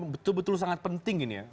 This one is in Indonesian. betul betul sangat penting ini ya